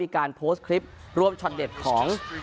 การโพสต์คลิปรวมช็อตเด็ดของ